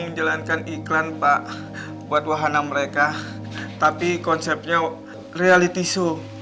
menjalankan iklan pak buat wahana mereka tapi konsepnya reality show